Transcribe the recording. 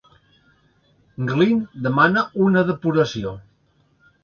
Glynn demana una depuració.